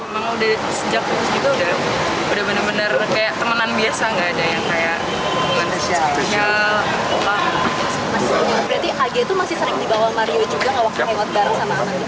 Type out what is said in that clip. memang sejak itu sudah benar benar temanan biasa